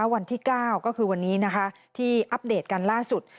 วันที่๙ก็คือวันนี้ที่อัปเดตกันล่าสุด